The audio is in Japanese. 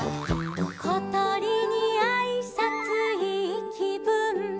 「ことりにあいさついいきぶん」